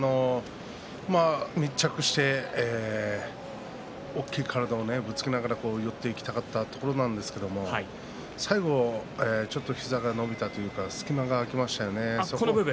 密着して大きい体をぶつけながら寄っていきたかったところなんですけれども最後ちょっと膝が伸びたというか隙間が空きましたよね。